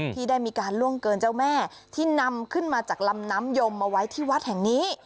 ที่ได้มีการล่วงเกินเจ้าแม่ที่นำขึ้นมาจากลำน้ำยมมาไว้ที่วัดแห่งนี้